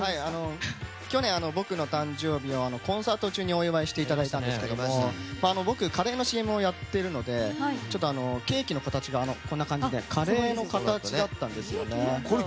去年、僕の誕生日をコンサート中にお祝いしていただいたんですが僕、カレーのＣＭをやってるのでケーキの形がカレーの形だったんですよね。